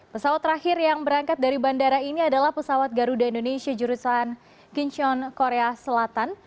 pesawat terakhir yang berangkat dari bandara ini adalah pesawat garuda indonesia jurusan kincion korea selatan